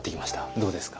どうですか？